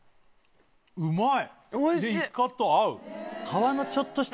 うまい！